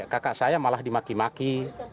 kakak saya malah dimaki maki